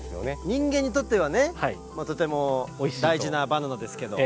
人間にとってはねとても大事なバナナですけど。